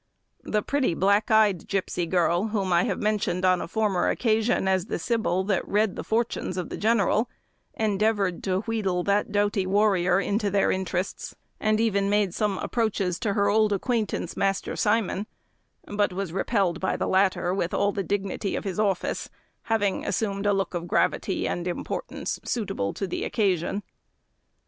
The pretty, black eyed gipsy girl, whom I have mentioned on a former occasion as the sibyl that read the fortunes of the general, endeavoured to wheedle that doughty warrior into their interests, and even made some approaches to her old acquaintance, Master Simon; but was repelled by the latter with all the dignity of office, having assumed a look of gravity and importance suitable to the occasion.